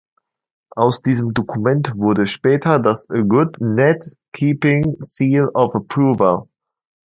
Aus diesem Dokument wurde später das Good Net-Keeping Seal of Approval.